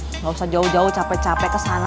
kalau gitu kamu minta transfer aja tut